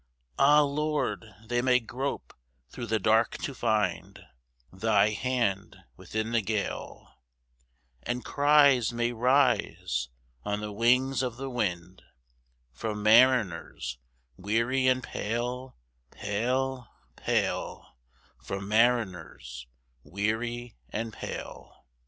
Ah, Lord! they may grope through the dark to find Thy hand within the gale; And cries may rise on the wings of the wind From mariners weary and pale, pale, pale From mariners weary and pale!